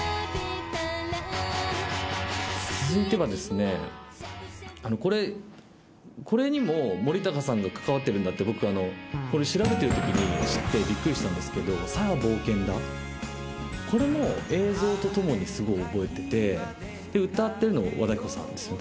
続いてはですねこれこれにも森高さんが関わってるんだって僕あのこれ調べてるときに知ってびっくりしたんですけど『さあ冒険だ』これも映像とともにすごい覚えてて歌ってるの和田アキ子さんですよね